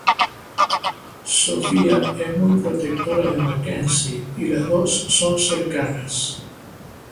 Sophie es muy protectora de Mackenzie, y las dos son cercanas.